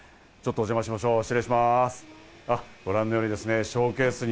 お邪魔しましょう。